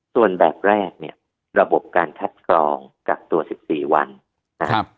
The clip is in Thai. ส่วนแบบแรกเนี่ยระบบการคัดกรองกักตัว๑๔วันนะครับ